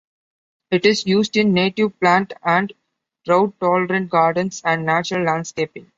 It is used in native plant and drought tolerant gardens and natural landscaping.